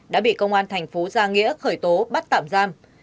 đã bị công an thành phố gia nghĩa khởi tố bắt tạm giam